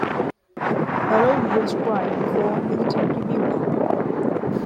Herold was tried before a military tribunal.